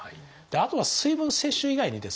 あとは水分摂取以外にですね